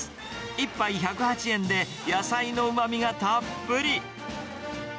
１杯１０８円で、野菜のうまみがたっぷり。